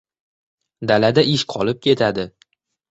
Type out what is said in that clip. Dalada ish qolib ketadi.